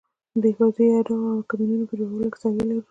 د پوځي اډو او کمینونو په جوړولو کې سروې رول لري